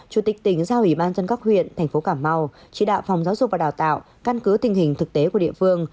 chủ tịch tỉnh giao ủy ban dân các huyện